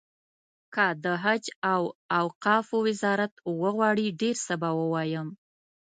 که د حج او اوقافو وزارت وغواړي ډېر څه به ووایم.